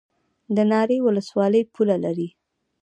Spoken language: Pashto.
د ناری ولسوالۍ پوله لري